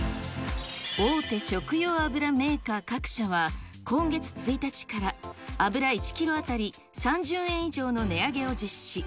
大手食用油メーカー各社は、今月１日から油１キロ当たり３０円以上の値上げを実施。